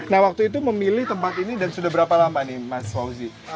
nah waktu itu memilih tempat ini dan sudah berapa lama nih mas fauzi